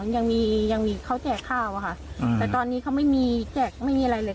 ยังมียังมีเขาแจกข้าวอะค่ะแต่ตอนนี้เขาไม่มีแจกไม่มีอะไรเลย